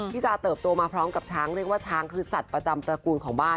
ที่จะเติบโตมาพร้อมกับช้างเรียกว่าช้างคือสัตว์ประจำตระกูลของบ้าน